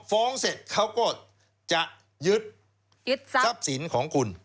ฟ้องเสร็จเขาก็จะยึดทรัพย์สินของคุณ